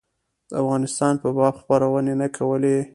د افغانستان په باب خپرونې نه کولې.